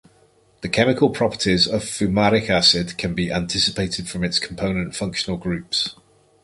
The chemical properties of fumaric acid can be anticipated from its component functional groups.